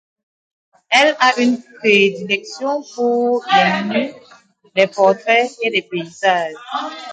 Elle a une prédilection pour les nus, les portraits et les paysages.